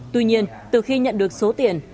tuy nhiên từ khi nhận được số tiền